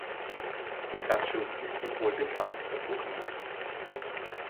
Pikachu ist das wohl bekannteste Pokémon.